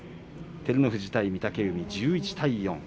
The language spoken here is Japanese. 照ノ富士対御嶽海過去１１対４。